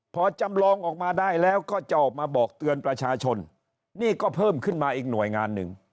พอจำลองออกมาได้แล้วก็จะออกมาบอกเตือนประชาชนนี่ก็เพิ่มขึ้นมาอีกหน่วยงานหนึ่ง